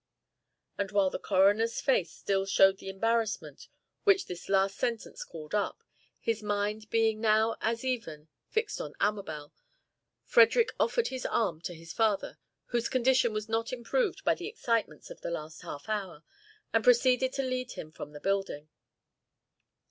And while the coroner's face still showed the embarrassment which this last sentence called up, his mind being now, as ever, fixed on Amabel, Frederick offered his arm to his father, whose condition was not improved by the excitements of the last half hour, and proceeded to lead him from the building.